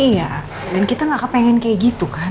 iya dan kita gak kepengen kayak gitu kan